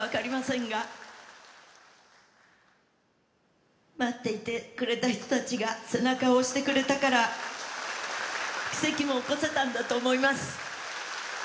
誰に感謝したらいいか分かりませんが、待っていてくれた人たちが背中を押してくれたから、奇跡も起こせたんだと思います。